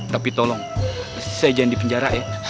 tapi tolong saya jangan di penjara ya